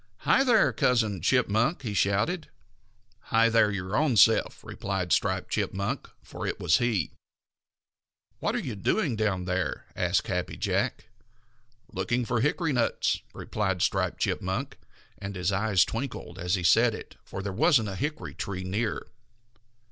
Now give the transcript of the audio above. "Hi, there, Cousin Chipmunk!" he shouted. "Hi, there, your own self!" replied Striped Chipmunk, for it was he. "What are you doing down there?" asked Happy Jack. "Looking for hickory nuts," replied Striped Chipmunk, and his eyes twinkled as he said it, for there wasn't a hickory tree near.